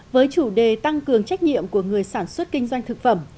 với chủ đề tăng cường trách nhiệm của người sản xuất kinh doanh thực phẩm